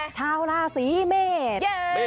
ชาวราศีเมษ